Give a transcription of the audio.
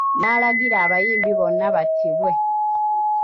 N'alagira abayimbi bonna battibwe.